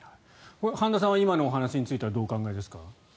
半田さんは今のお話についてはどうお考えですか？